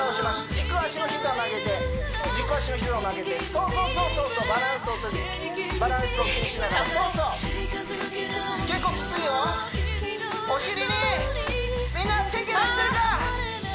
軸足の膝を曲げてそうそうそうそうそうバランスをとるバランスを気にしながらそうそう結構きついよお尻にみんなチェケラしてるか！